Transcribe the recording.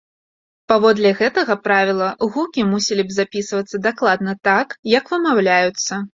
Паводле гэтага правіла гукі мусілі б запісвацца дакладна так, як вымаўляюцца.